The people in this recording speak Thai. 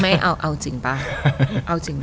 เอาจริงป่ะ